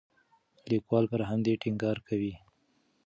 لیکوال پر همدې ټینګار کوي.